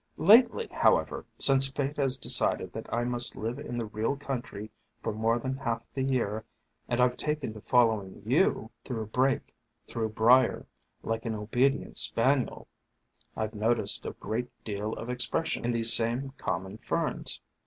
"Lately, however, since fate has decided that I must live in the real country for more than half the year, and I 've taken to following you * thorough brake, thorough briar ' like an obedient spaniel, I 've noticed a great deal of expression in these same com mon Ferns.